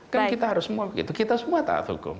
kan kita semua harus begitu kita semua taat hukum